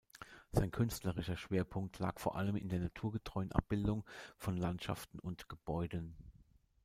Sein künstlerischer Schwerpunkt lag vor allem in der naturgetreuen Abbildung von Landschaften und Gebäuden.